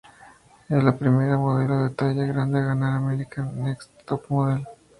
Es la primera modelo de talla grande en ganar "America's Next Top Model".